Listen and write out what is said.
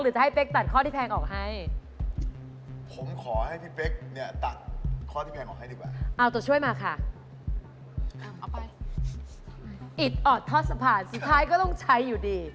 หรือจะให้เป๊กตัดข้อที่แพงออกให้